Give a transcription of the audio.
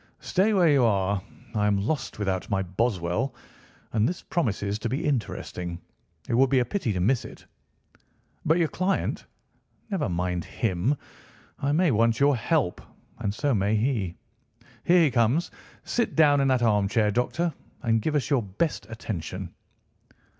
Stay where you are. I am lost without my Boswell. And this promises to be interesting. It would be a pity to miss it." "But your client—" "Never mind him. I may want your help, and so may he. Here he comes. Sit down in that armchair, Doctor, and give us your best attention."